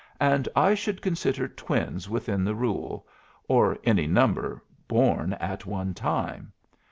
"And I should consider twins within the rule; or any number born at one time.